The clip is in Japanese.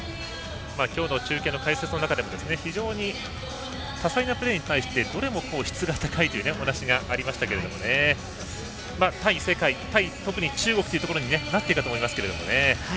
今日の中継の解説の中でも非常に多彩なプレーに対してどれも質が高いというお話がありましたけども対世界、対、特に中国となっていくと思いますけどね。